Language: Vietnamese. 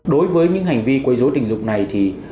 đối với những hành vi quấy dối tình dục này thì